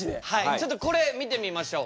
ちょっとこれ見てみましょう。